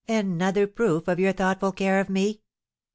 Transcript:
Another proof of your thoughtful care of me?